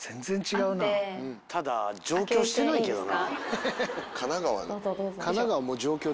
上京してないけどな。